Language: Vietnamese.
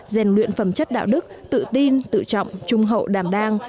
rèn luyện phẩm chất đạo đức tự tin tự trọng trung hậu đảm đang